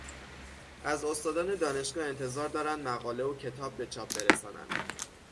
از استادان دانشگاه انتظار دارند مقاله و کتاب به چاپ برسانند.